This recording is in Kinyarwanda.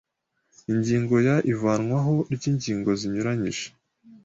Ingingo ya Ivanwaho ry ingingo zinyuranyije